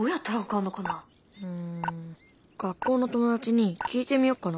うん学校の友達に聞いてみよっかな。